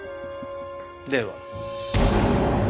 では。